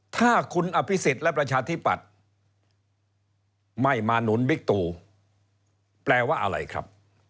ถ้าคุณอภิษฎและประชาธิปัตย์ไม่มาหนุนบิ๊กตูแปลว่าอะไรครับ